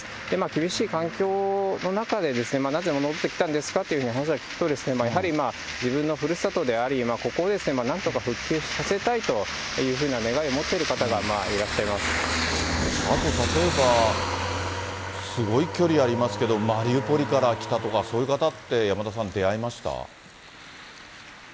厳しい環境の中で、なぜ戻ってきたんですかというふうに話を聞くと、やはり自分のふるさとであり、ここをなんとか復旧させたいという願いを持っていらっしゃる方があと例えば、すごい距離ありますけど、マリウポリから来たとか、そういう方って、山田さん、出会いました？